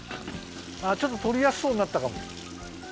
ちょっととりやすそうになったかも。